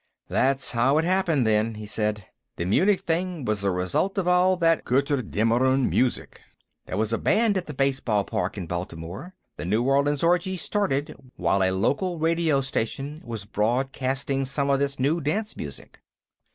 "That's how it happened, then," he said. "The Munich thing was the result of all that Götterdämmerung music. There was a band at the baseball park in Baltimore. The New Orleans Orgy started while a local radio station was broadcasting some of this new dance music.